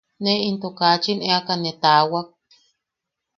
Ne into kachin eaka ne taawak.